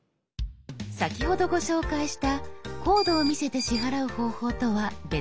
先ほどご紹介したコードを見せて支払う方法とは別のやり方です。